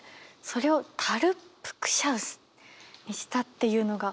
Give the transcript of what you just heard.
それを「タルップ・ク・シャウス」にしたっていうのが。